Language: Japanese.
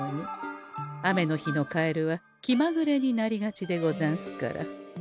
雨の日のカエルは気まぐれになりがちでござんすから。